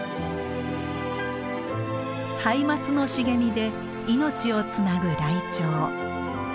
ハイマツの茂みで命をつなぐライチョウ。